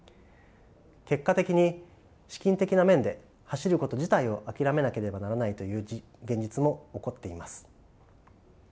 結果的に資金的な面で走ること自体を諦めなければならないという現実も起こっています。